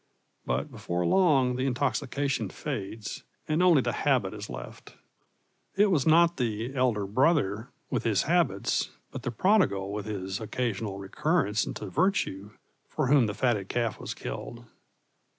But before long the intoxication fades, and only the habit is left. It was not the elder brother with his habits, but the prodigal with his occasional recurrence into virtue, for whom the fatted calf was killed.